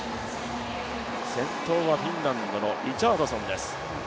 先頭はフィンランドのリチャードソンです。